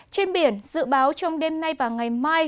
trên biển dự báo trong đêm nay và ngày mai